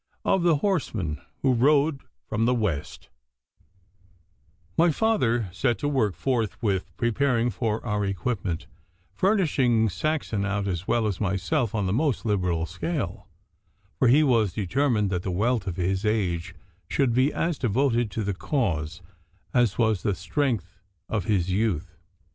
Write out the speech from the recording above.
Of the Horseman who rode from the West My father set to work forthwith preparing for our equipment, furnishing Saxon out as well as myself on the most liberal scale, for he was determined that the wealth of his age should be as devoted to the cause as was the strength of his youth.